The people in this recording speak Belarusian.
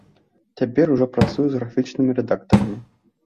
Цяпер ужо працую з графічнымі рэдактарамі.